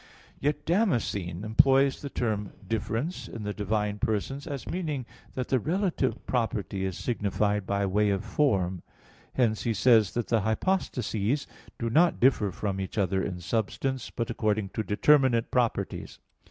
Yet, Damascene (De Fide Orth. i, 5) employs the term "difference" in the divine persons, as meaning that the relative property is signified by way of form. Hence he says that the hypostases do not differ from each other in substance, but according to determinate properties.